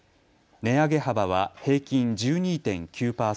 値上げ幅は平均１２．９％。